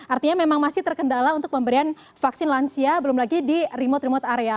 artinya memang masih terkendala untuk pemberian vaksin lansia belum lagi di remote remote area